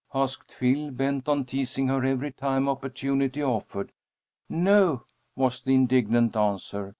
asked Phil, bent on teasing her every time opportunity offered. "No," was the indignant answer.